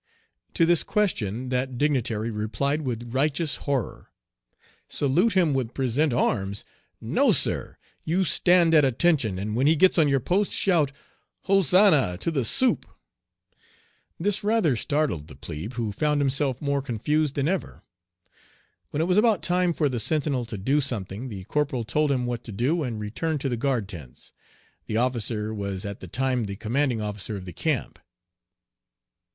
To this question that dignitary replied with righteous horror, "Salute him with present arms! No, sir! You stand at attention, and when he gets on your post shout, 'Hosannah to the supe!' This rather startled the plebe, who found himself more confused than ever. When it was about time for the sentinel to do something the corporal told him what to do, and returned to the guard tents. The officer was at the time the commanding officer of the camp.